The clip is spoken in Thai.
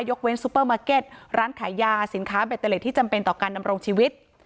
เว้นซูเปอร์มาร์เก็ตร้านขายยาสินค้าเบตเตอร์เล็ตที่จำเป็นต่อการดำรงชีวิต